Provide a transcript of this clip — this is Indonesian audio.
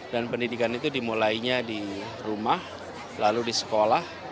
dan pendidikan itu dimulainya di rumah lalu di sekolah